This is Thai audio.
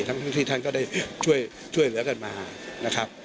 ทั้งสิท่านก็ได้ช่วยเหลือกันมา